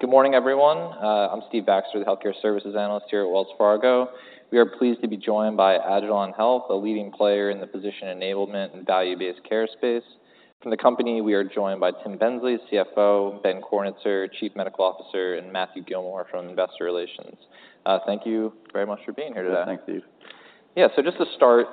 Good morning, everyone. I'm Steve Baxter, the Healthcare Services Analyst here at Wells Fargo. We are pleased to be joined by agilon health, a leading player in the physician enablement and value-based care space. From the company, we are joined by Tim Bensley, CFO, Ben Kornitzer, Chief Medical Officer, and Matthew Gillmor from Investor Relations. Thank you very much for being here today. Thanks, Steve. Yeah. So just to start,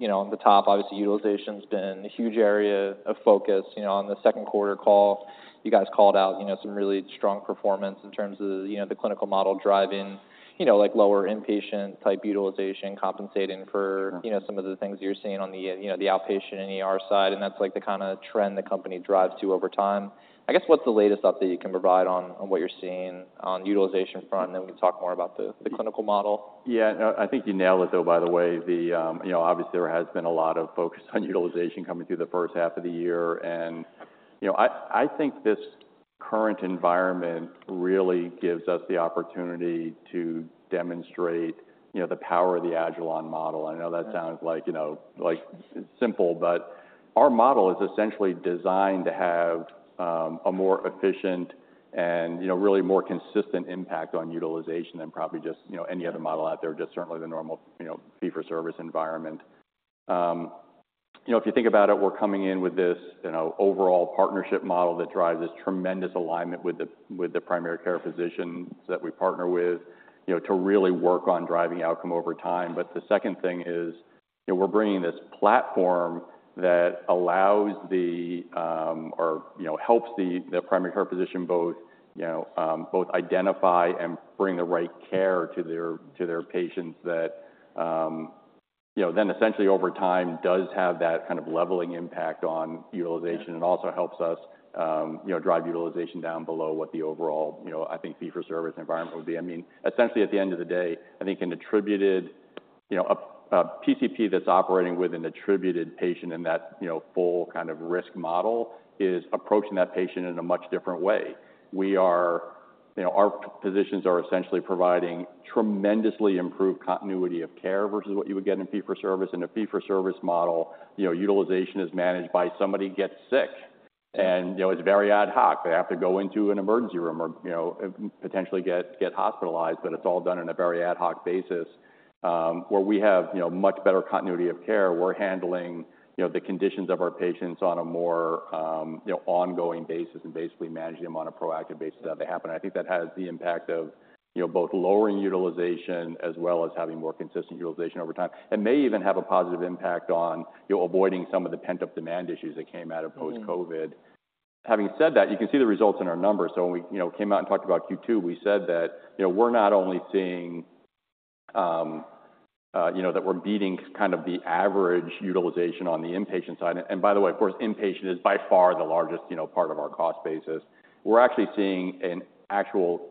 you know, on the top, obviously, utilization's been a huge area of focus. You know, on the second quarter call, you guys called out, you know, some really strong performance in terms of, you know, the clinical model driving, you know, like, lower inpatient-type utilization, compensating for- You know, some of the things you're seeing on the, you know, the outpatient and ER side, and that's, like, the kind of trend the company drives to over time. I guess, what's the latest update you can provide on, on what you're seeing on the utilization front? And then, we can talk more about the, the clinical model. Yeah. No, I think you nailed it, though, by the way. The... You know, obviously, there has been a lot of focus on utilization coming through the first half of the year. And, you know, I think this current environment really gives us the opportunity to demonstrate, you know, the power of the agilon model. I know that sounds like, you know, like, simple, but our model is essentially designed to have a more efficient and, you know, really more consistent impact on utilization than probably just, you know, any other model out there, just certainly the normal, you know, fee-for-service environment. You know, if you think about it, we're coming in with this, you know, overall partnership model that drives this tremendous alignment with the, with the primary care physicians that we partner with, you know, to really work on driving outcome over time. But the second thing is, you know, we're bringing this platform that allows the, or, you know, helps the, the primary care physician both, you know, both identify and bring the right care to their, to their patients that, you know, then essentially, over time, does have that kind of leveling impact on utilization. Also helps us, you know, drive utilization down below what the overall, you know, I think, Fee-for-Service environment would be. I mean, essentially, at the end of the day, I think an attributed, you know, a PCP that's operating with an attributed patient in that, you know, full kind of risk model is approaching that patient in a much different way. You know, our physicians are essentially providing tremendously improved continuity of care versus what you would get in Fee-for-Service. In a Fee-for-Service model, you know, utilization is managed by somebody gets sick, and, you know, it's very ad hoc. They have to go into an emergency room or, you know, potentially get hospitalized, but it's all done on a very ad hoc basis. Where we have, you know, much better continuity of care, we're handling, you know, the conditions of our patients on a more, you know, ongoing basis, and basically managing them on a proactive basis as they happen. I think that has the impact of, you know, both lowering utilization, as well as having more consistent utilization over time. It may even have a positive impact on, you know, avoiding some of the pent-up demand issues that came out of post-COVID. Having said that, you can see the results in our numbers. So when we, you know, came out and talked about Q2, we said that, you know, we're not only seeing, you know, that we're beating kind of the average utilization on the inpatient side. And by the way, of course, inpatient is by far the largest, you know, part of our cost basis. We're actually seeing an actual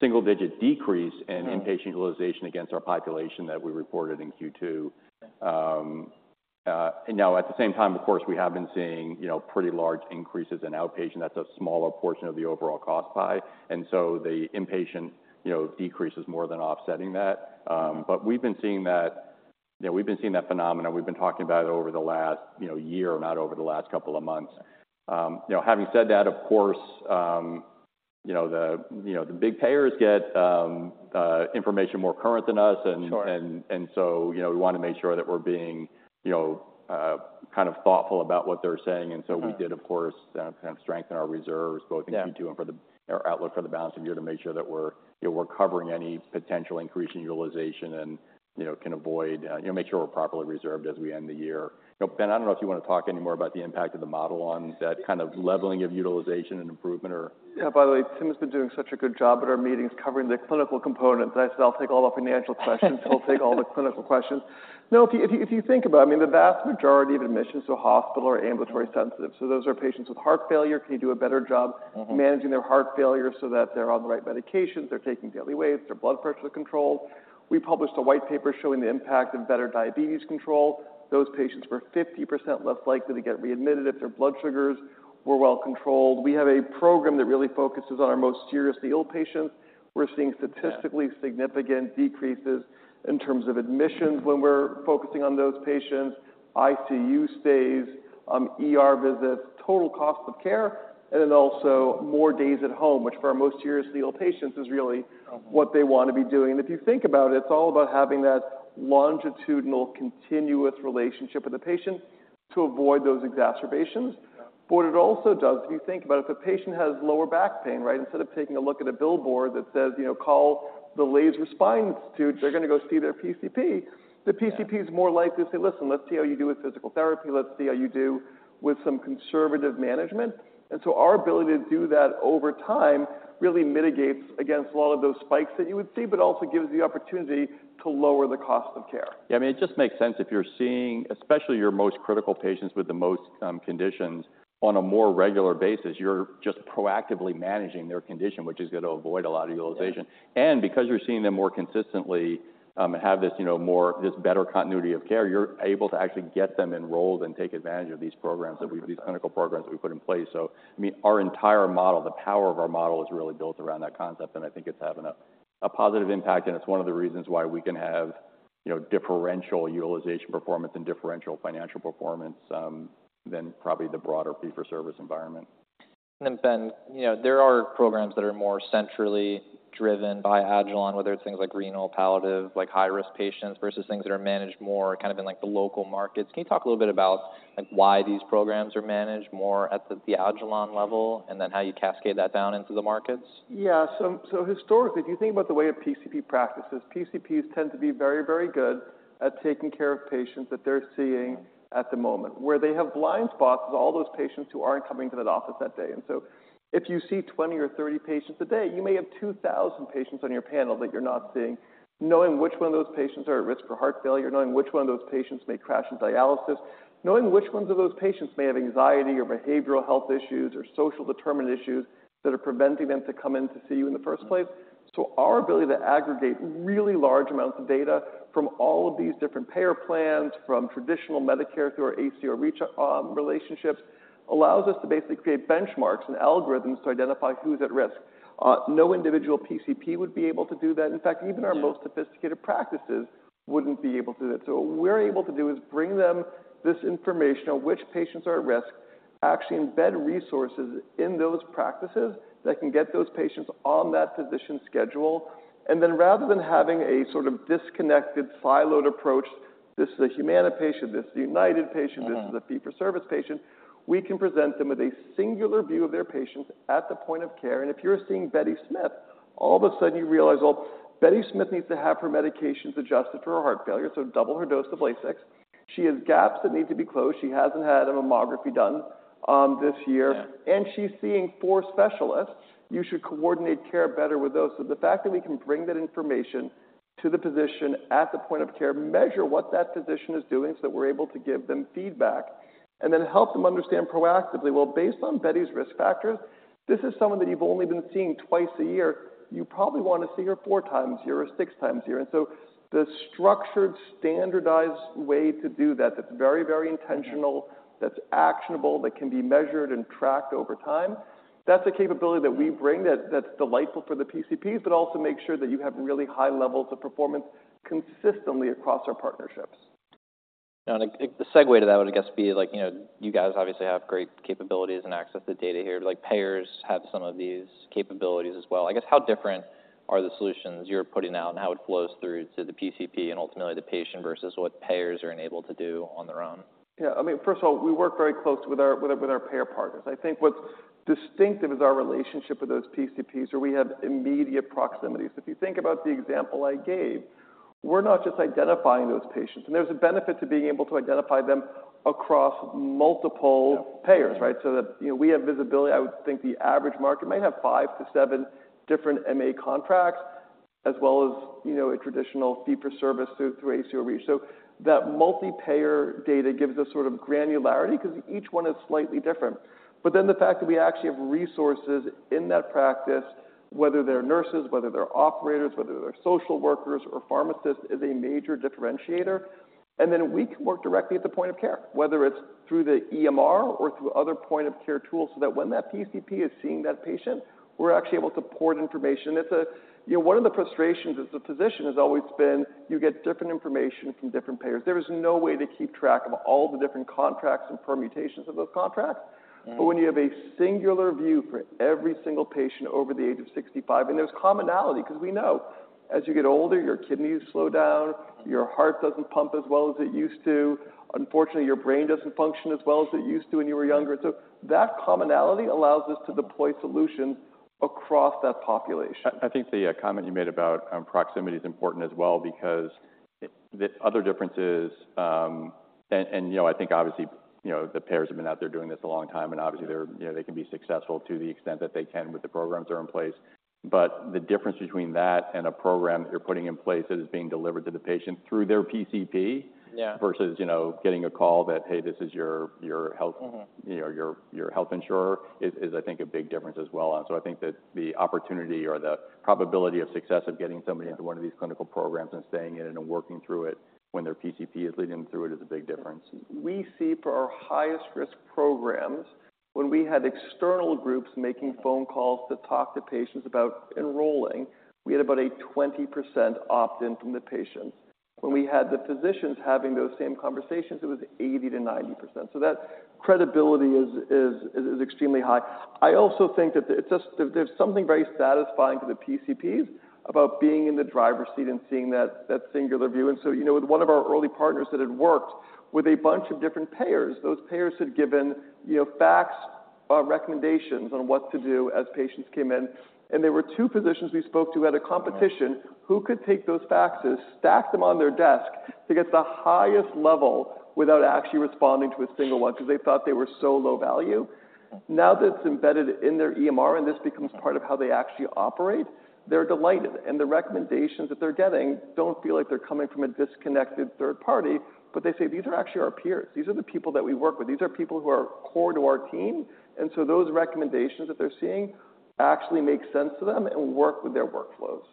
single-digit decrease- in inpatient utilization against our population that we reported in Q2. And now, at the same time, of course, we have been seeing, you know, pretty large increases in outpatient. That's a smaller portion of the overall cost pie, and so the inpatient, you know, decrease is more than offsetting that. But we've been seeing that, you know, we've been seeing that phenomena. We've been talking about it over the last, you know, year, not over the last couple of months. You know, having said that, of course, you know, the big payers get information more current than us, and- Sure... and so, you know, we want to make sure that we're being, you know, kind of thoughtful about what they're saying. And so we did, of course, kind of strengthen our reserves both in Q2 and for our outlook for the balance of the year, to make sure that we're, you know, we're covering any potential increase in utilization and, you know, can avoid you know, make sure we're properly reserved as we end the year. You know, Ben, I don't know if you want to talk any more about the impact of the model on that kind of leveling of utilization and improvement or? Yeah. By the way, Tim has been doing such a good job at our meetings, covering the clinical components. I said, "I'll take all the financial questions. He'll take all the clinical questions." No, if you think about it, I mean, the vast majority of admissions to a hospital are ambulatory-sensitive. So those are patients with heart failure. Can you do a better job managing their heart failure so that they're on the right medications, they're taking daily weights, their blood pressure is controlled? We published a white paper showing the impact of better diabetes control. Those patients were 50% less likely to get readmitted if their blood sugars were well controlled. We have a program that really focuses on our most seriously ill patients. We're seeing statistically significant decreases in terms of admissions when we're focusing on those patients, ICU stays, ER visits, total cost of care, and then also more days at home, which, for our most seriously ill patients, is really what they want to be doing. And if you think about it, it's all about having that longitudinal, continuous relationship with the patient to avoid those exacerbations. But what it also does, if you think about it, if a patient has lower back pain, right? Instead of taking a look at a billboard that says, you know, "Call the Laser Spine Institute," they're gonna go see their PCP. Yeah. The PCP is more likely to say, "Listen, let's see how you do with physical therapy. Let's see how you do with some conservative management." And so our ability to do that over time really mitigates against a lot of those spikes that you would see, but also gives the opportunity to lower the cost of care. Yeah, I mean, it just makes sense if you're seeing, especially your most critical patients with the most conditions, on a more regular basis, you're just proactively managing their condition, which is gonna avoid a lot of utilization. Yeah. Because you're seeing them more consistently, and have this, you know, more, this better continuity of care, you're able to actually get them enrolled and take advantage of these programs that we've—these clinical programs we've put in place. So, I mean, our entire model, the power of our model, is really built around that concept, and I think it's having a positive impact, and it's one of the reasons why we can have—you know, differential utilization performance and differential financial performance, than probably the broader Fee-for-Service environment. And then, Ben, you know, there are programs that are more centrally driven by agilon, whether it's things like renal, palliative, like high-risk patients, versus things that are managed more kind of in like the local markets. Can you talk a little bit about, like, why these programs are managed more at the, the agilon level, and then how you cascade that down into the markets? Yeah. So, so historically, if you think about the way a PCP practices, PCPs tend to be very, very good at taking care of patients that they're seeing at the moment. Where they have blind spots is all those patients who aren't coming to that office that day. And so if you see 20 or 30 patients a day, you may have 2,000 patients on your panel that you're not seeing. Knowing which one of those patients are at risk for heart failure, knowing which one of those patients may crash in dialysis, knowing which ones of those patients may have anxiety, or behavioral health issues, or social determinant issues that are preventing them to come in to see you in the first place. So our ability to aggregate really large amounts of data from all of these different payer plans, from traditional Medicare through our ACO REACH relationships, allows us to basically create benchmarks and algorithms to identify who's at risk. No individual PCP would be able to do that. In fact, even our most sophisticated practices wouldn't be able to do that. So what we're able to do is bring them this information on which patients are at risk, actually embed resources in those practices that can get those patients on that physician's schedule, and then, rather than having a sort of disconnected, siloed approach, this is a Humana patient, this is a United patient- This is a fee-for-service patient, we can present them with a singular view of their patients at the point of care. And if you're seeing Betty Smith, all of a sudden you realize, well, Betty Smith needs to have her medications adjusted for her heart failure, so double her dose of Lasix. She has gaps that need to be closed. She hasn't had a mammography done, this year. Yeah. And she's seeing four specialists. You should coordinate care better with those. So the fact that we can bring that information to the physician at the point of care, measure what that physician is doing so that we're able to give them feedback, and then help them understand proactively, well, based on Betty's risk factors, this is someone that you've only been seeing twice a year. You probably want to see her four times a year or six times a year. And so the structured, standardized way to do that, that's very, very intentional that's actionable, that can be measured and tracked over time, that's a capability that we bring that's, that's delightful for the PCPs, but also makes sure that you have really high levels of performance consistently across our partnerships. A segue to that would, I guess, be like, you know, you guys obviously have great capabilities and access to data here, like payers have some of these capabilities as well. I guess, how different are the solutions you're putting out and how it flows through to the PCP and ultimately the patient, versus what payers are enabled to do on their own? Yeah, I mean, first of all, we work very closely with our payer partners. I think what's distinctive is our relationship with those PCPs, where we have immediate proximity. So if you think about the example I gave, we're not just identifying those patients, and there's a benefit to being able to identify them across multiple- Yeah. Payers, right? So that, you know, we have visibility. I would think the average market may have 5-7 different MA contracts, as well as, you know, a traditional Fee-For-Service through, through ACO REACH. So that multi-payer data gives us sort of granularity, 'cause each one is slightly different. But then the fact that we actually have resources in that practice, whether they're nurses, whether they're operators, whether they're social workers or pharmacists, is a major differentiator. And then we can work directly at the point of care, whether it's through the EMR or through other point of care tools, so that when that PCP is seeing that patient, we're actually able to port information. It's a... You know, one of the frustrations as a physician has always been, you get different information from different payers. There is no way to keep track of all the different contracts and permutations of those contracts. But when you have a singular view for every single patient over the age of 65, and there's commonality, 'cause we know as you get older, your kidneys slow down- Your heart doesn't pump as well as it used to. Unfortunately, your brain doesn't function as well as it used to when you were younger. And so that commonality allows us to deploy solutions across that population. I think the comment you made about proximity is important as well, because the other differences... And you know, I think obviously, you know, the payers have been out there doing this a long time, and obviously, they're you know, they can be successful to the extent that they can with the programs that are in place. But the difference between that and a program that you're putting in place that is being delivered to the patient through their PCP versus, you know, getting a call that, "Hey, this is your, your health you know, your health insurer is, I think, a big difference as well. And so I think that the opportunity or the probability of success of getting somebody into one of these clinical programs and staying in it and working through it when their PCP is leading them through it is a big difference. We see for our highest risk programs, when we had external groups making phone calls to talk to patients about enrolling, we had about a 20% opt-in from the patients. When we had the physicians having those same conversations, it was 80%-90%. So that credibility is extremely high. I also think that it's just, there's something very satisfying to the PCPs about being in the driver's seat and seeing that singular view. And so, you know, with one of our early partners that had worked with a bunch of different payers, those payers had given, you know, fax recommendations on what to do as patients came in, and there were two physicians we spoke to at a competition who could take those faxes, stack them on their desk to get the highest level, without actually responding to a single one, because they thought they were so low value. Now that it's embedded in their EMR and this becomes- Yeah Part of how they actually operate, they're delighted, and the recommendations that they're getting don't feel like they're coming from a disconnected third party, but they say, "These are actually our peers. These are the people that we work with. These are people who are core to our team." And so those recommendations that they're seeing actually make sense to them and work with their workflows.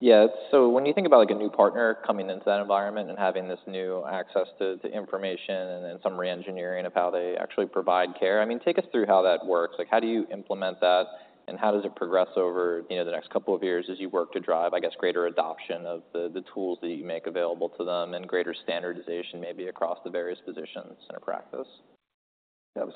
Yeah. So when you think about, like, a new partner coming into that environment and having this new access to information and then some reengineering of how they actually provide care, I mean, take us through how that works. Like, how do you implement that, and how does it progress over, you know, the next couple of years as you work to drive, I guess, greater adoption of the tools that you make available to them and greater standardization, maybe across the various physicians in a practice?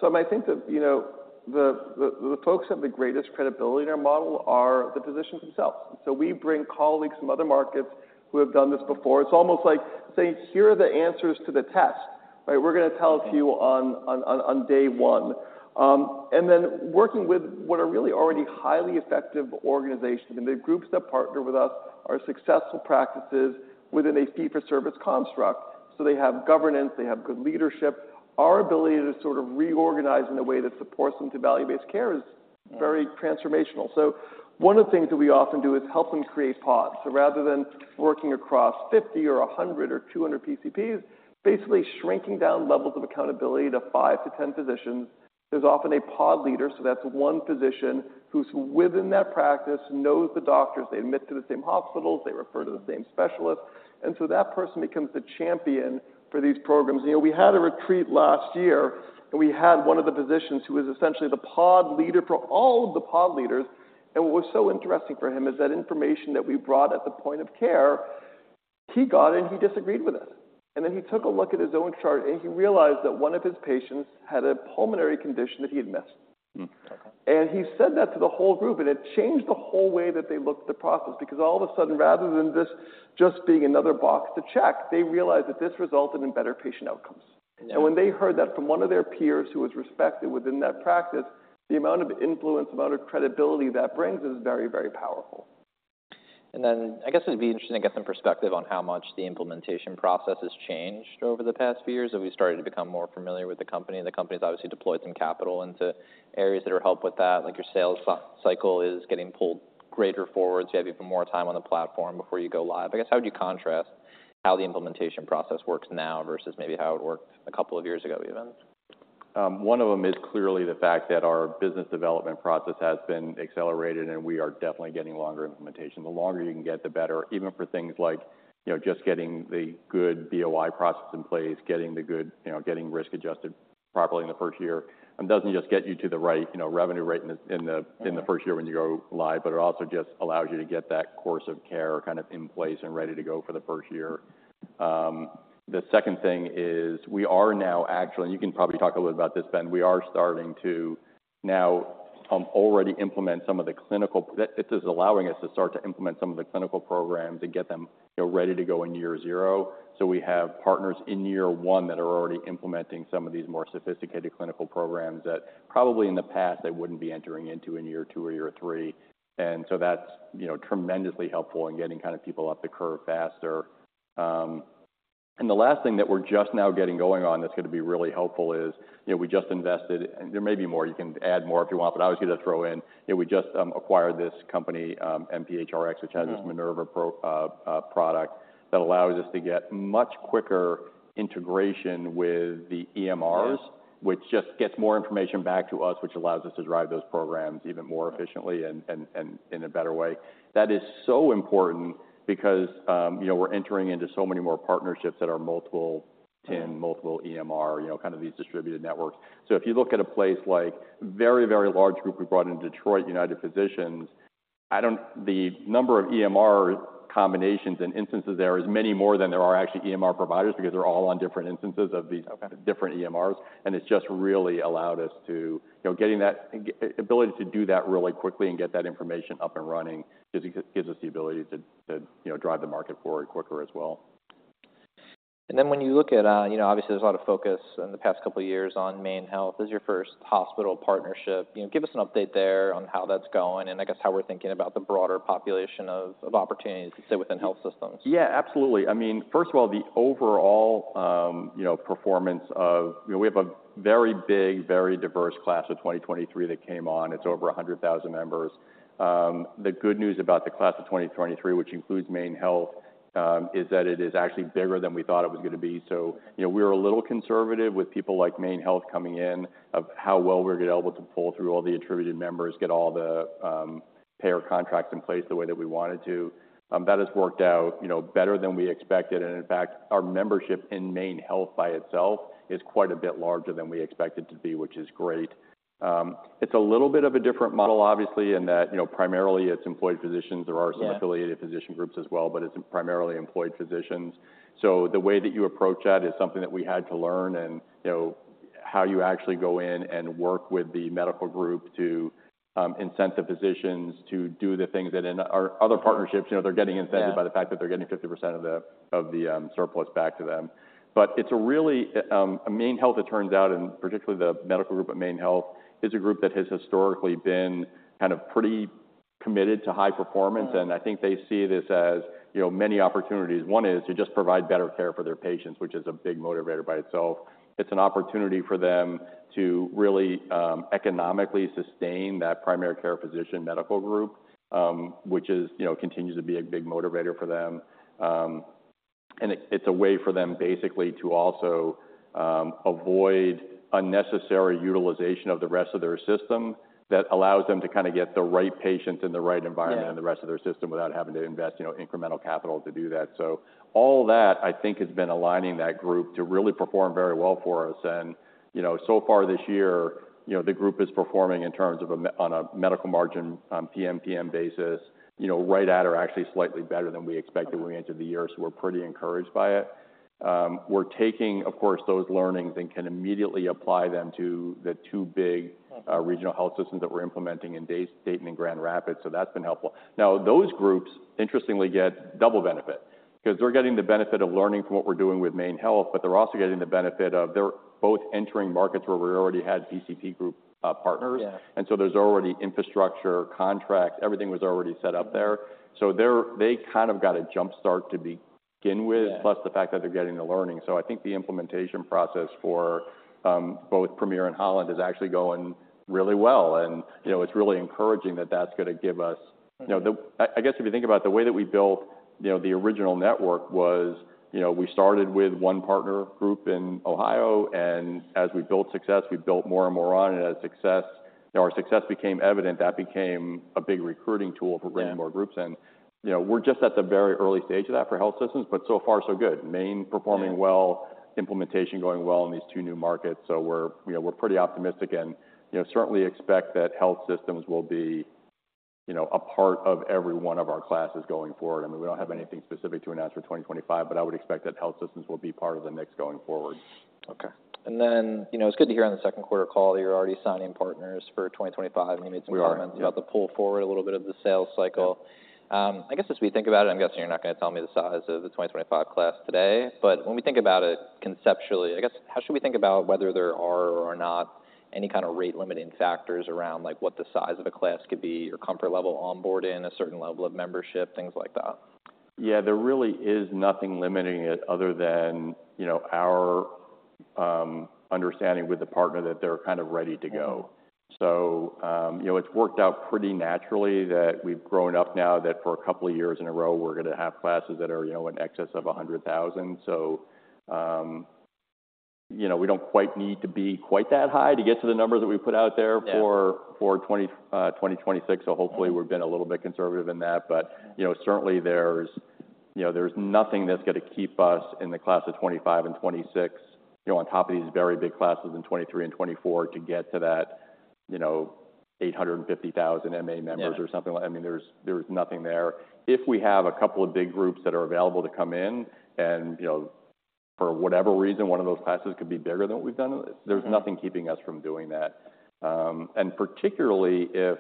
So I think that, you know, the folks have the greatest credibility in our model are the physicians themselves. So we bring colleagues from other markets who have done this before. It's almost like saying, "Here are the answers to the test." Right? We're going to tell it to you on day one. And then working with what are really already highly effective organizations, and the groups that partner with us are successful practices within a Fee-For-Service construct. So they have governance, they have good leadership. Our ability to sort of reorganize in a way that supports them to value-based care is very transformational. So one of the things that we often do is help them create pods. So rather than working across 50 or 100 or 200 PCPs, basically shrinking down levels of accountability to 5 to 10 physicians. There's often a pod leader, so that's one physician who's within that practice, knows the doctors, they admit to the same hospitals, they refer to the same specialists, and so that person becomes the champion for these programs. You know, we had a retreat last year, and we had one of the physicians who was essentially the pod leader for all of the pod leaders. What was so interesting for him is that information that we brought at the point of care, he got it, and he disagreed with us. Then he took a look at his own chart, and he realized that one of his patients had a pulmonary condition that he had missed. Hmm, okay. He said that to the whole group, and it changed the whole way that they looked at the process, because all of a sudden, rather than this just being another box to check, they realized that this resulted in better patient outcomes. Yeah. When they heard that from one of their peers who was respected within that practice, the amount of influence, the amount of credibility that brings is very, very powerful. And then I guess it'd be interesting to get some perspective on how much the implementation process has changed over the past few years. Have we started to become more familiar with the company? The company's obviously deployed some capital into areas that are helped with that, like your sales cycle is getting pulled greater forwards. You have even more time on the platform before you go live. I guess, how would you contrast how the implementation process works now versus maybe how it worked a couple of years ago, even? One of them is clearly the fact that our business development process has been accelerated, and we are definitely getting longer implementation. The longer you can get, the better, even for things like, you know, just getting the good BOI process in place, getting the good, you know, getting risk-adjusted properly in the first year, doesn't just get you to the right, you know, revenue rate in the, in the in the first year when you go live, but it also just allows you to get that course of care kind of in place and ready to go for the first year. The second thing is we are now actually, and you can probably talk a little about this, Ben, we are starting to now, already implement some of the clinical... this is allowing us to start to implement some of the clinical programs and get them, you know, ready to go in year zero. So we have partners in year one that are already implementing some of these more sophisticated clinical programs that probably in the past, they wouldn't be entering into in year two or year three. And so that's, you know, tremendously helpful in getting kind of people up the curve faster. And the last thing that we're just now getting going on that's gonna be really helpful is, you know, we just invested, and there may be more. You can add more if you want, but I was gonna throw in, you know, we just acquired this company, mphrX, which has this Minerva Pro product that allows us to get much quicker integration with the EMRs which just gets more information back to us, which allows us to drive those programs even more efficiently and in a better way. That is so important because, you know, we're entering into so many more partnerships that are multiple TIN, multiple EMR, you know, kind of these distributed networks. So if you look at a place like very, very large group we brought in Detroit, United Physicians, the number of EMR combinations and instances there is many more than there are actually EMR providers because they're all on different instances of these different EMRs, and it's just really allowed us to, you know, getting that ability to do that really quickly and get that information up and running gives us, gives us the ability to, to, you know, drive the market forward quicker as well. And then when you look at, you know, obviously, there's a lot of focus in the past couple of years on MaineHealth. This is your first hospital partnership. You know, give us an update there on how that's going and I guess, how we're thinking about the broader population of opportunities to stay within health systems. Yeah, absolutely. I mean, first of all, the overall, you know, performance of. You know, we have a very big, very diverse Class of 2023 that came on. It's over 100,000 members. The good news about the Class of 2023, which includes MaineHealth, is that it is actually bigger than we thought it was gonna be. So you know, we were a little conservative with people like MaineHealth coming in, of how well we're gonna be able to pull through all the attributed members, get all the, payer contracts in place the way that we wanted to. That has worked out, you know, better than we expected, and in fact, our membership in MaineHealth by itself is quite a bit larger than we expected it to be, which is great. It's a little bit of a different model, obviously, in that, you know, primarily it's employed physicians. Yeah. There are some affiliated physician groups as well, but it's primarily employed physicians. So the way that you approach that is something that we had to learn and, you know, how you actually go in and work with the medical group to incent the physicians to do the things that in our other partnerships, you know, they're getting incented by the fact that they're getting 50% of the surplus back to them. But it's really a MaineHealth, it turns out, and particularly the medical group at MaineHealth, is a group that has historically been kind of pretty committed to high performance. I think they see this as, you know, many opportunities. One is to just provide better care for their patients, which is a big motivator by itself. It's an opportunity for them to really economically sustain that primary care physician medical group, which is, you know, continues to be a big motivator for them. And it, it's a way for them basically to also avoid unnecessary utilization of the rest of their system. That allows them to kinda get the right patients in the right environment in the rest of their system without having to invest, you know, incremental capital to do that. So all that, I think, has been aligning that group to really perform very well for us. And, you know, so far this year, you know, the group is performing in terms of a Medical Margin, PMPM basis, you know, right at or actually slightly better than we expected when we entered the year, so we're pretty encouraged by it. We're taking, of course, those learnings and can immediately apply them to the two big regional health systems that we're implementing in Dayton and Grand Rapids, so that's been helpful. Now, those groups interestingly get double benefit, 'cause they're getting the benefit of learning from what we're doing with MaineHealth, but they're also getting the benefit of they're both entering markets where we already had PCP group, partners. And so there's already infrastructure, contracts, everything was already set up there. So they kind of got a jump start to begin with. Plus the fact that they're getting the learning. So I think the implementation process for both Premier and Holland is actually going really well, and, you know, it's really encouraging that that's gonna give us, you know, the... I guess if you think about the way that we built, you know, the original network was, you know, we started with one partner group in Ohio, and as we built success, we built more and more on, and had success. You know, our success became evident. That became a big recruiting tool for bringing more groups in. You know, we're just at the very early stage of that for health systems, but so far, so good. Maine, performing well, implementation going well in these two new markets, so we're, you know, we're pretty optimistic and, you know, certainly expect that health systems will be, you know, a part of every one of our classes going forward. I mean, we don't have anything specific to announce for 2025, but I would expect that health systems will be part of the mix going forward. Okay. Then, you know, it's good to hear on the second quarter call that you're already signing partners for 2025, and you made some comments- We are. about the pull forward, a little bit of the sales cycle. Yeah. I guess as we think about it, I'm guessing you're not gonna tell me the size of the 2025 class today, but when we think about it conceptually, I guess, how should we think about whether there are or are not any kind of rate-limiting factors around, like, what the size of a class could be, your comfort level onboarding, a certain level of membership, things like that? Yeah, there really is nothing limiting it other than, you know, our understanding with the partner that they're kind of ready to go. So, you know, it's worked out pretty naturally that we've grown up now, that for a couple of years in a row, we're gonna have classes that are, you know, in excess of 100,000. So, you know, we don't quite need to be quite that high to get to the numbers that we put out there for, for 2026. So hopefully, we've been a little bit conservative in that. But, you know, certainly there's, you know, there's nothing that's gonna keep us in the Class of 2025 and 2026, you know, on top of these very big classes in 2023 and 2024 to get to that, you know, 850,000 MA members- or something like... I mean, there's nothing there. If we have a couple of big groups that are available to come in and, you know, for whatever reason, one of those classes could be bigger than what we've done, there's nothing keeping us from doing that. And particularly if,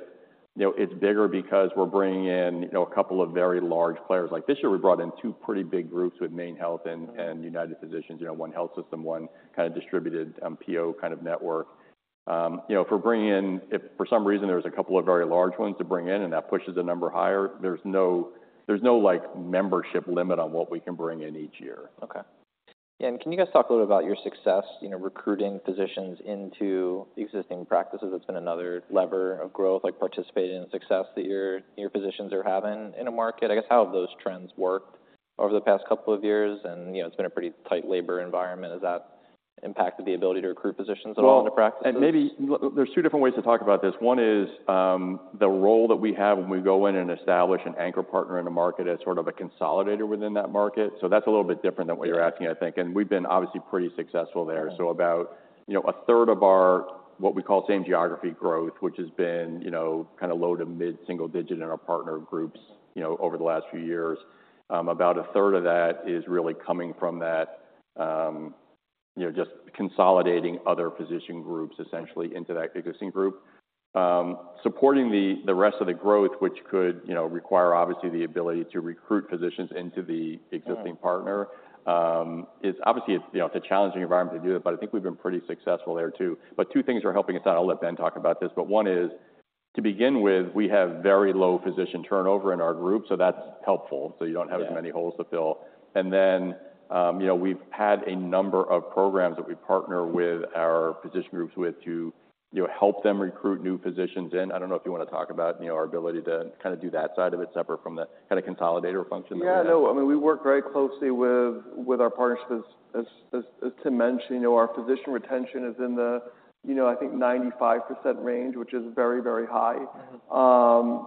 you know, it's bigger because we're bringing in, you know, a couple of very large players. Like this year, we brought in two pretty big groups with MaineHealth and United Physicians, you know, one health system, one kind of distributed, PO kind of network. You know, if we're bringing in, if for some reason there was a couple of very large ones to bring in and that pushes the number higher, there's no, there's no, like, membership limit on what we can bring in each year. Okay. And can you guys talk a little about your success, you know, recruiting physicians into the existing practices? That's been another lever of growth, like participating in success that your, your physicians are having in a market. I guess, how have those trends worked over the past couple of years? And, you know, it's been a pretty tight labor environment. Has that impacted the ability to recruit physicians at all in the practices? Well, and maybe there's two different ways to talk about this. One is the role that we have when we go in and establish an anchor partner in the market as sort of a consolidator within that market. So that's a little bit different than what you're asking, I think, and we've been obviously pretty successful there. So about, you know, a third of our, what we call same geography growth, which has been, you know, kind of low- to mid-single-digit in our partner groups, you know, over the last few years, about a third of that is really coming from that, you know, just consolidating other physician groups essentially into that existing group. Supporting the rest of the growth, which could, you know, require obviously, the ability to recruit physicians into the existing partner, It's obviously, you know, it's a challenging environment to do that, but I think we've been pretty successful there too. But two things are helping us out. I'll let Ben talk about this, but one is, to begin with, we have very low physician turnover in our group, so that's helpful, so you don't have as many holes to fill. And then, you know, we've had a number of programs that we partner with our physician groups with to, you know, help them recruit new physicians in. I don't know if you wanna talk about, you know, our ability to kind of do that side of it, separate from the kind of consolidator function that we have. Yeah, no. I mean, we work very closely with our partners. As Tim mentioned, you know, our physician retention is in the, you know, I think 95% range, which is very, very high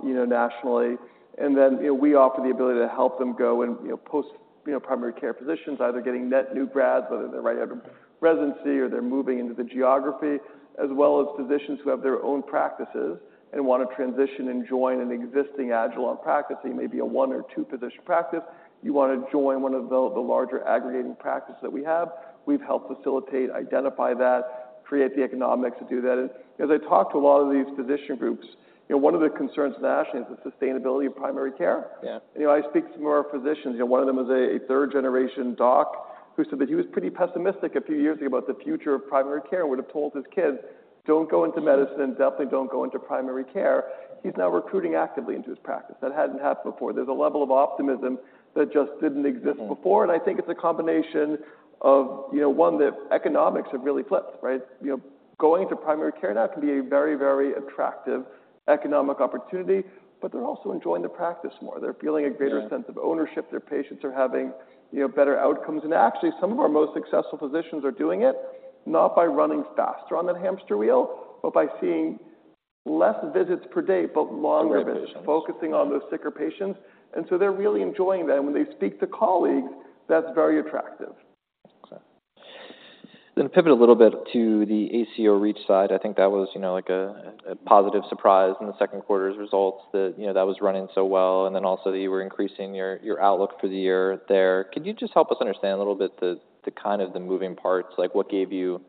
you know, nationally. And then, you know, we offer the ability to help them go and, you know, post, you know, primary care physicians, either getting net new grads, whether they're right out of residency or they're moving into the geography, as well as physicians who have their own practices and want to transition and join an existing agilon practice. It may be a one or two-physician practice. You want to join one of the, the larger aggregating practices that we have. We've helped facilitate, identify that, create the economics to do that. And as I talk to a lot of these physician groups, you know, one of the concerns nationally is the sustainability of primary care. You know, I speak to more physicians. You know, one of them is a third-generation doc, who said that he was pretty pessimistic a few years ago about the future of primary care and would have told his kids, "Don't go into medicine, definitely don't go into primary care." He's now recruiting actively into his practice. That hadn't happened bafore. There's a level of optimism that just didn't exist before. I think it's a combination of, you know, one, the economics have really flipped, right? You know, going to primary care now can be a very, very attractive economic opportunity, but they're also enjoying the practice more. They're feeling a greater sense of ownership. Their patients are having, you know, better outcomes. And actually, some of our most successful physicians are doing it, not by running faster on that hamster wheel, but by seeing less visits per day, but longer visits- Sicker patients Focusing on those sicker patients. And so they're really enjoying that, and when they speak to colleagues, that's very attractive. Then pivot a little bit to the ACO REACH side. I think that was, you know, like a, a positive surprise in the second quarter's results that, you know, that was running so well, and then also that you were increasing your, your outlook for the year there. Could you just help us understand a little bit the, the kind of the moving parts? Like, what gave you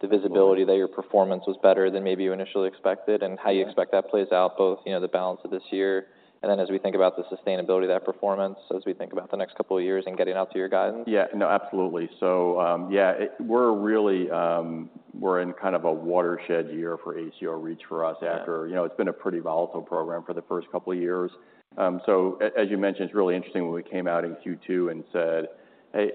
the visibility that your performance was better than maybe you initially expected, and how you expect that plays out, both, you know, the balance of this year, and then as we think about the sustainability of that performance, as we think about the next couple of years and getting out to your guidance? Yeah. No, absolutely. So, yeah, we're really... We're in kind of a watershed year for ACO REACH for us- After, you know, it's been a pretty volatile program for the first couple of years. So as you mentioned, it's really interesting when we came out in Q2 and said, "Hey,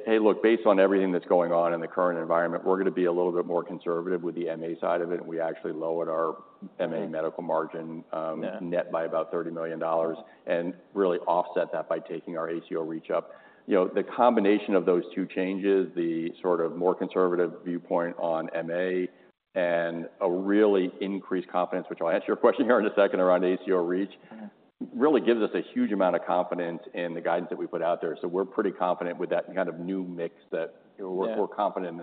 hey, look, based on everything that's going on in the current environment, we're gonna be a little bit more conservative with the MA side of it." And we actually lowered our MA Medical Margin net by about $30 million, and really offset that by taking our ACO REACH up. You know, the combination of those two changes, the sort of more conservative viewpoint on MA and a really increased confidence, which I'll answer your question here in a second around ACO REACH really gives us a huge amount of confidence in the guidance that we put out there. So we're pretty confident with that kind of new mix that- We're confident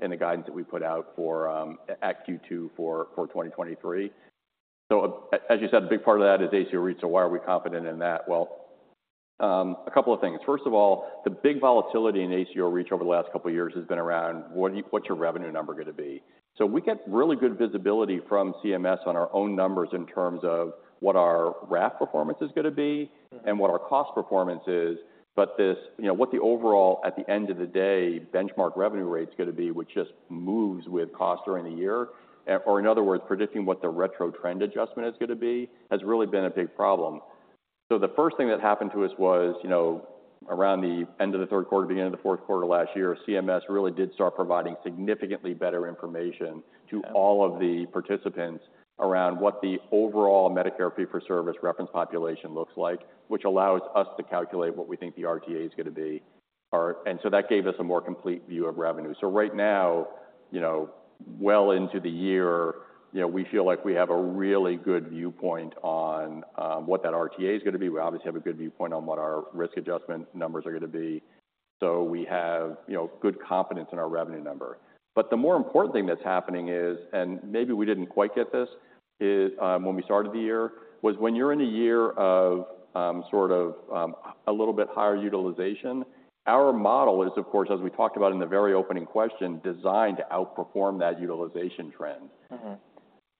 in the guidance that we put out for at Q2 for 2023. So as you said, a big part of that is ACO REACH, so why are we confident in that? Well, a couple of things. First of all, the big volatility in ACO REACH over the last couple of years has been around what's your revenue number gonna be? So we get really good visibility from CMS on our own numbers in terms of what our RAF performance is gonna be and what our cost performance is. But this, you know, what the overall, at the end of the day, benchmark revenue rate's gonna be, which just moves with cost during the year. Or in other words, predicting what the retroactive trend adjustment is gonna be, has really been a big problem. So the first thing that happened to us was, you know, around the end of the third quarter, beginning of the fourth quarter last year, CMS really did start providing significantly better information- to all of the participants around what the overall Medicare Fee-for-Service reference population looks like, which allows us to calculate what we think the RTA is gonna be. And so that gave us a more complete view of revenue. So right now, you know, well into the year, you know, we feel like we have a really good viewpoint on what that RTA is gonna be. We obviously have a good viewpoint on what our risk adjustment numbers are gonna be. So we have, you know, good confidence in our revenue number. But the more important thing that's happening is, and maybe we didn't quite get this, is, when we started the year, was when you're in a year of, sort of, a little bit higher utilization, our model is, of course, as we talked about in the very opening question, designed to outperform that utilization trend.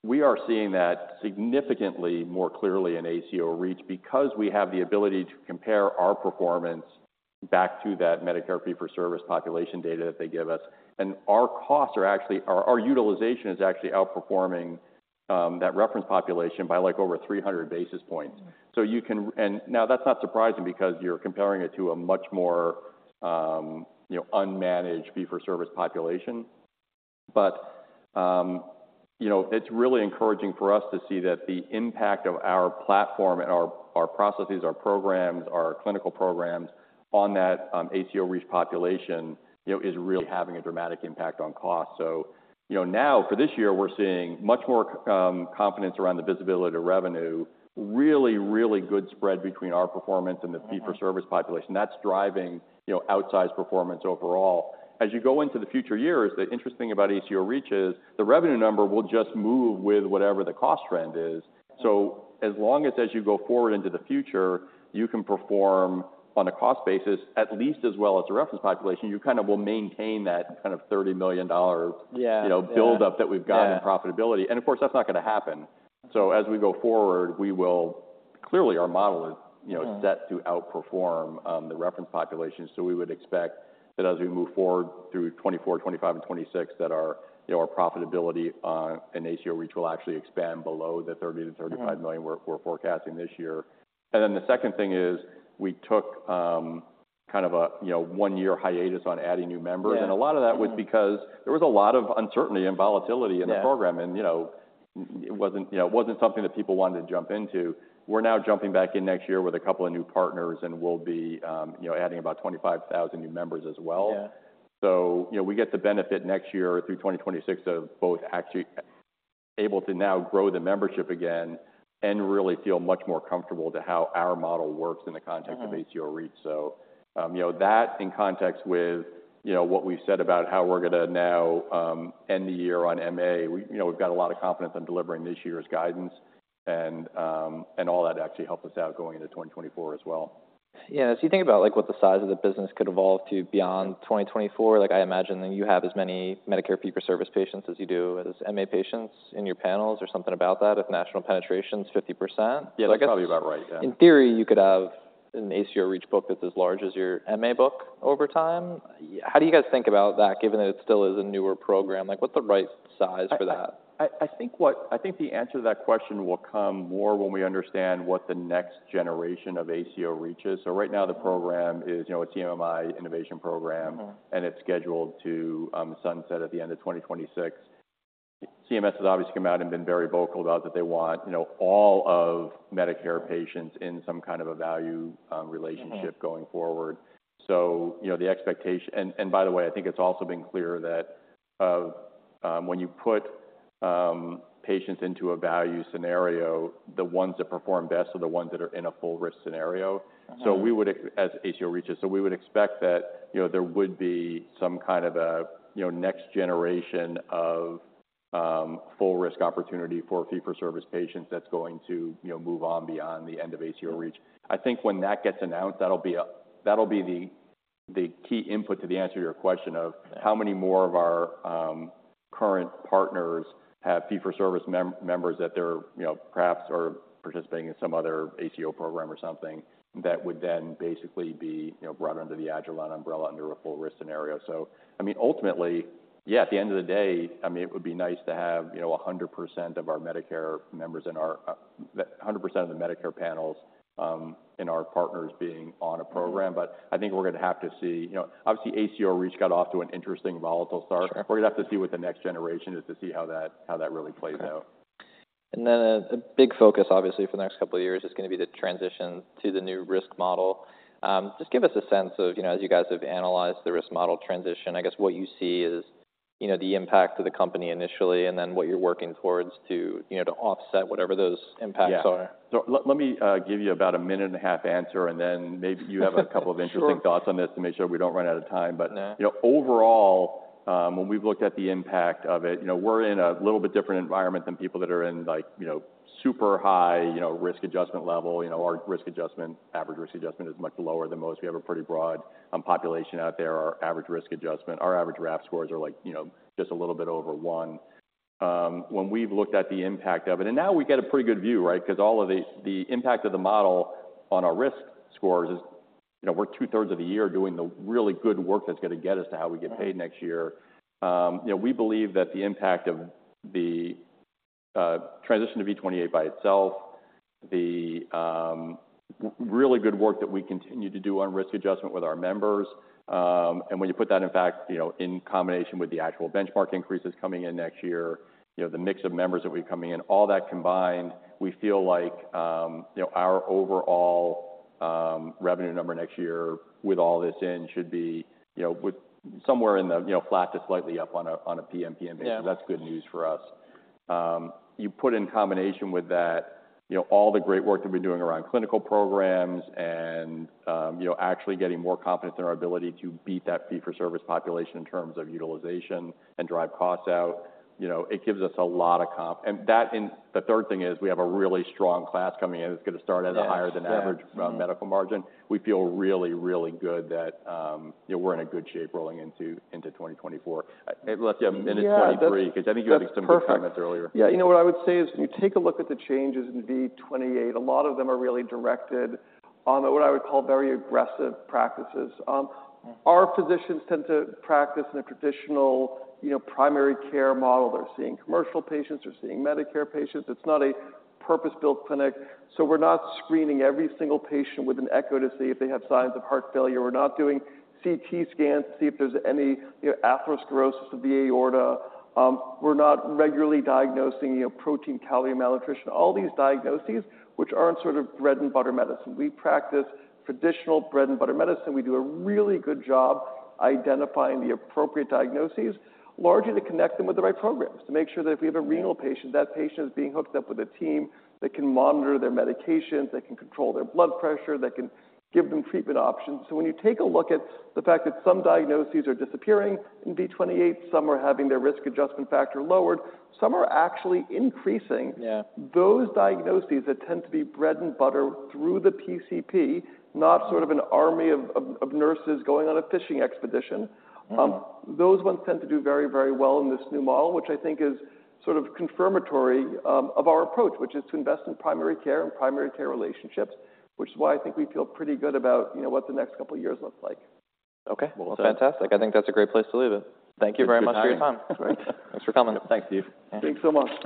We are seeing that significantly more clearly in ACO REACH because we have the ability to compare our performance back to that Medicare Fee-for-Service population data that they give us. Our costs are actually... Our utilization is actually outperforming that reference population by, like, over 300 basis points. And now, that's not surprising because you're comparing it to a much more, you know, unmanaged Fee-For-Service population. But, you know, it's really encouraging for us to see that the impact of our platform and our, our processes, our programs, our clinical programs on that, ACO REACH population, you know, is really having a dramatic impact on cost. So, you know, now, for this year, we're seeing much more confidence around the visibility of revenue. Really, really good spread between our performance- the Fee-For-Service population. That's driving, you know, outsized performance overall. As you go into the future years, the interesting about ACO REACH is, the revenue number will just move with whatever the cost trend is. So as long as, as you go forward into the future, you can perform on a cost basis, at least as well as the reference population, you kind of will maintain that kind of $30 million you know, buildup that we've gotten in profitability. And of course, that's not gonna happen. So as we go forward, we will... Clearly, our model is, you know set to outperform the reference population, so we would expect that as we move forward through 2024, 2025, and 2026, that our, you know, our profitability in ACO REACH will actually expand below the 30 million-35 million we're forecasting this year. Then the second thing is, we took kind of a, you know, one-year hiatus on adding new members. Yeah. And a lot of that was because there was a lot of uncertainty and volatility in the program.. You know, it wasn't, you know, it wasn't something that people wanted to jump into. We're now jumping back in next year with a couple of new partners, and we'll be, you know, adding about 25,000 new members as well. Yeah. So, you know, we get the benefit next year through 2026 of both actually able to now grow the membership again and really feel much more comfortable to how our model works in the context of ACO REACH. So, you know, that in context with, you know, what we've said about how we're gonna now end the year on MA, we, you know, we've got a lot of confidence in delivering this year's guidance. And, and all that actually helped us out going into 2024 as well. Yeah. So you think about, like, what the size of the business could evolve to beyond 2024. Like, I imagine that you have as many Medicare fee-for-service patients as you do as MA patients in your panels, or something about that, if national penetration is 50%? Yeah, that's probably about right. Yeah. In theory, you could have an ACO REACH book that's as large as your MA book over time. How do you guys think about that, given that it still is a newer program? Like, what's the right size for that? I think the answer to that question will come more when we understand what the next generation of ACO REACH is. So right now, the program is, you know, a CMMI innovation program and it's scheduled to sunset at the end of 2026. CMS has obviously come out and been very vocal about that they want, you know, all of Medicare patients in some kind of a value relationship going forward. So, you know, the expectation. And by the way, I think it's also been clear that, when you put patients into a value scenario, the ones that perform best are the ones that are in a full risk scenario. So we would, as ACO REACH, so we would expect that, you know, there would be some kind of a, you know, next generation of full risk opportunity for fee-for-service patients that's going to, you know, move on beyond the end of ACO REACH. I think when that gets announced, that'll be that'll be the key input to the answer to your question of, "How many more of our current partners have Fee-For-Service members that they're, you know, perhaps are participating in some other ACO program or something, that would then basically be, you know, brought under the agilon umbrella under a full risk scenario?" So I mean, ultimately, yeah, at the end of the day, I mean, it would be nice to have, you know, 100% of our Medicare members in our, 100% of the Medicare panels in our partners being on a program. But I think we're gonna have to see... You know, obviously, ACO REACH got off to an interesting, volatile start. Sure. We're gonna have to see what the next generation is to see how that, how that really plays out. Okay. And then a big focus, obviously, for the next couple of years is gonna be the transition to the new risk model. Just give us a sense of, you know, as you guys have analyzed the risk model transition, I guess what you see is, you know, the impact to the company initially, and then what you're working towards to, you know, to offset whatever those impacts are. Yeah. So let me give you about a minute-and-a-half answer, and then maybe- Sure... you have a couple of interesting thoughts on this to make sure we don't run out of time. No. But, you know, overall, when we've looked at the impact of it, you know, we're in a little bit different environment than people that are in, like, you know, super high, you know, risk adjustment level. You know, our risk adjustment, average risk adjustment is much lower than most. We have a pretty broad population out there. Our average risk adjustment, our average RAF scores are like, you know, just a little bit over 1. When we've looked at the impact of it... And now we get a pretty good view, right? Because all of the, the impact of the model on our risk scores is, you know, we're two-thirds of the year doing the really good work that's gonna get us to how we get paid next year. You know, we believe that the impact of the transition to V28 by itself, the really good work that we continue to do on risk adjustment with our members, and when you put that, in fact, you know, in combination with the actual benchmark increases coming in next year, you know, the mix of members that will be coming in, all that combined, we feel like, you know, our overall revenue number next year, with all this in, should be, you know, with somewhere in the flat to slightly up on a PMPM. Yeah. So that's good news for us. You put in combination with that, you know, all the great work that we're doing around clinical programs and, you know, actually getting more confident in our ability to beat that fee-for-service population in terms of utilization and drive costs out, you know, it gives us a lot of conf- And that, and the third thing is, we have a really strong class coming in. Yes. It's gonna start at a higher than average medical margin. We feel really, really good that, you know, we're in a good shape rolling into 2024. It lets you have minute 23- Yeah, that's, that's perfect. because I think you had some comments earlier. Yeah. You know, what I would say is, when you take a look at the changes in V28, a lot of them are really directed on what I would call very aggressive practices. Our physicians tend to practice in a traditional, you know, primary care model. They're seeing commercial patients, they're seeing Medicare patients. It's not a purpose-built clinic, so we're not screening every single patient with an echo to see if they have signs of heart failure. We're not doing CT scans to see if there's any, you know, atherosclerosis of the aorta. We're not regularly diagnosing, you know, protein-calorie malnutrition, all these diagnoses, which aren't sort of bread-and-butter medicine. We practice traditional bread-and-butter medicine. We do a really good job identifying the appropriate diagnoses, largely to connect them with the right programs, to make sure that if we have a renal patient, that patient is being hooked up with a team that can monitor their medications, that can control their blood pressure, that can give them treatment options. So when you take a look at the fact that some diagnoses are disappearing in V28, some are having their risk adjustment factor lowered, some are actually increasinthose diagnoses that tend to be bread and butter through the PCP, not sort of an army of nurses going on a fishing expedition. Those ones tend to do very, very well in this new model, which I think is sort of confirmatory of our approach, which is to invest in primary care and primary care relationships, which is why I think we feel pretty good about, you know, what the next couple of years look like. Okay. Well, fantastic. I think that's a great place to leave it. Thanks for your time. Thank you very much for your time. Great. Thanks for coming. Thanks, Steve. Thanks so much.